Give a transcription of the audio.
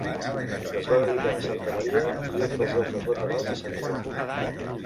Es va dedicar a Santa Maria i un dels altars laterals a Sant Joan.